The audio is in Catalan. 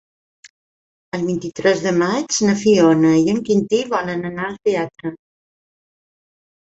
El vint-i-tres de maig na Fiona i en Quintí volen anar al teatre.